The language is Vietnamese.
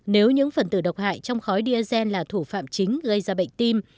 nếu những phần tử độc hại trong khói diesel là thủ phạm chính gây ra bệnh tim